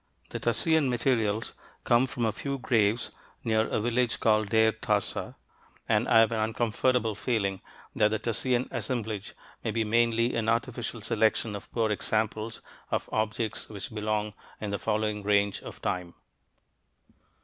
The Tasian materials come from a few graves near a village called Deir Tasa, and I have an uncomfortable feeling that the Tasian "assemblage" may be mainly an artificial selection of poor examples of objects which belong in the following range of time.